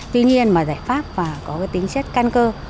tuy nhiên giải pháp và có tính chất căn cơ